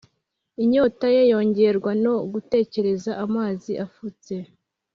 Inyota ye yongerwaga no gutekereza amazi afutse